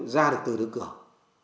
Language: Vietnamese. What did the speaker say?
ra được từ đức cường